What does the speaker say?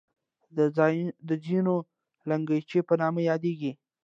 دا ځایونه د لګنچې په نامه یادېږي.